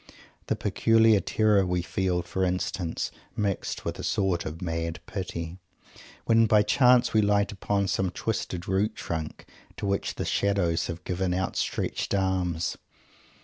The peculiar terror we feel, for instance, mixed with a sort of mad pity, when by chance we light upon some twisted root trunk, to which the shadows have given outstretched arms.